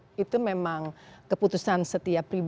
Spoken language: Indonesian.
tapi kalau ya itu memang keputusan setiap orang